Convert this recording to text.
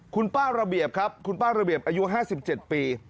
คุณป้าระเบียบครับคุณป้าระเบียบอายุห้าสิบเจ็ดปี